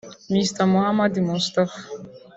Mr Mahammad Mustafa